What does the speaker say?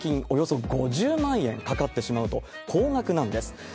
およそ５０万円かかってしまうと、高額なんです。